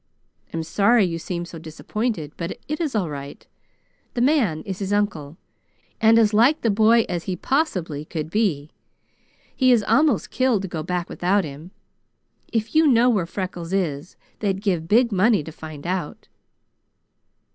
I'm sorry you seem so disappointed, but it is all right. The man is his uncle, and as like the boy as he possibly could be. He is almost killed to go back without him. If you know where Freckles is, they'd give big money to find out."